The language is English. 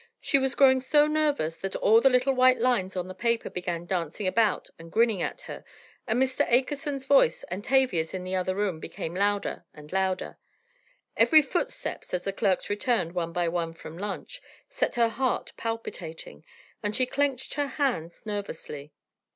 She was growing so nervous that all the little white lines on the paper began dancing about and grinning at her, and Mr. Akerson's voice and Tavia's in the other room became louder and louder. Every footstep as the clerks returned, one by one, from lunch, set her heart palpitating, and she clenched her hands nervously.